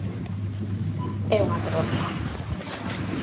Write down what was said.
É unha trosma.